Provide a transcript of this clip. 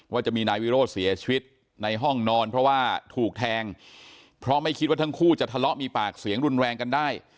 ว่าจะมีนายวิโรธเสียชีวิตในห้องนอนเพราะว่าถูกแทงเพราะไม่คิดว่าทั้งคู่จะทะเลาะมีปากเสียงรุนแรงกันได้